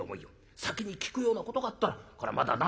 先に聞くようなことがあったらこれはまだなんとかなる。